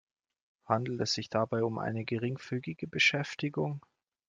Handelt es sich dabei um eine geringfügige Beschäftigung?